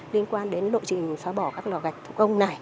liên quan đến lộ trình xóa bỏ các lò gạch thủ công này